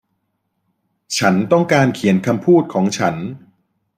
ฉันต้องการเขียนคำพูดของฉัน